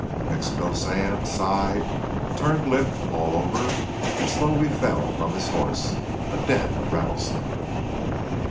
Mexico Sam sighed, turned limp all over, and slowly fell from his horse—a dead rattlesnake.